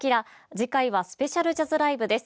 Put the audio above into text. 次回はスペシャルジャズライブです。